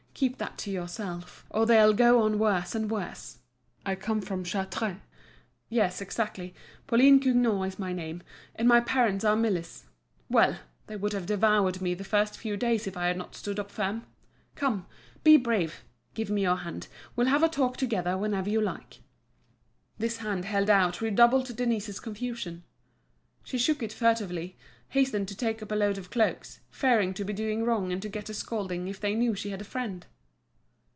Keep that to yourself, or they'll go on worse and worse. I come from Chartres. Yes, exactly, Pauline Cugnot is my name; and my parents are millers. Well! they would have devoured me the first few days if I had not stood up firm. Come, be brave! give me your hand, we'll have a talk together whenever you like." This hand held out redoubled Denise's confusion; she shook it furtively, hastening to take up a load of cloaks, fearing to be doing wrong and to get a scolding if they knew she had a friend.